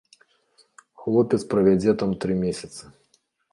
Хлопец правядзе там тры месяцы.